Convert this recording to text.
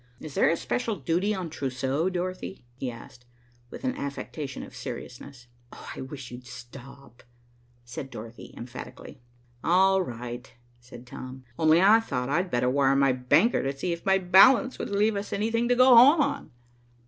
Is there a special duty on trousseaux, Dorothy?" he asked, with an affectation of seriousness. "I wish you'd stop," said Dorothy emphatically. "All right," said Tom. "Only I thought I'd better wire my banker to see if my balance would leave us anything to go home on."